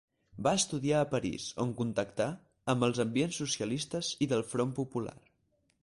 Va estudiar a París, on contactà amb els ambients socialistes i del Front Popular.